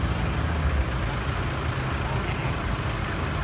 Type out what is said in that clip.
พร้อมต่ำยาว